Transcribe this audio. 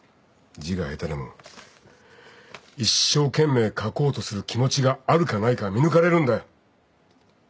字が下手でも一生懸命書こうとする気持ちがあるかないかは見抜かれるんだよ。